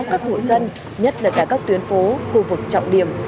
các hội dân nhất là cả các tuyến phố khu vực trọng điểm